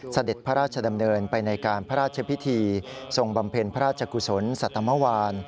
เสด็จพระราชดำเนินไปในการพระราชพิธีทรงบำเพ็ญพระราชกุศลสัตมวาน